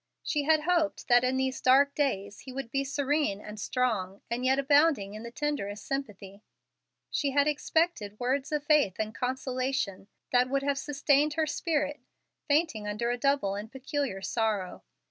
She had hoped that in these dark days he would be serene and strong, and yet abounding in the tenderest sympathy. She had expected words of faith and consolation that would have sustained her spirit, fainting under a double and peculiar sorrow.